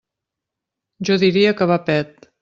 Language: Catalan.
Jo diria que va pet.